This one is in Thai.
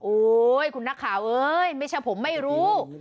โอ๊ยคุณนักข่าวเอ้ยไม่ใช่ผมไม่รู้